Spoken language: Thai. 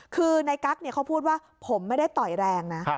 คือในกั๊กเขาพูดว่าผมไม่ได้ต่อยแรงนะ